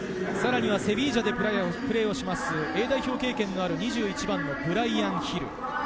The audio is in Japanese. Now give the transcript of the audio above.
セビージャでプレーするＡ代表経験のある２１番のブライアン・ヒル。